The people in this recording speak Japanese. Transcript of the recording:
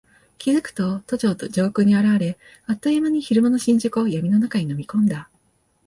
気付くと都庁上空に現れ、あっという間に昼間の新宿を闇の中に飲み込んだ。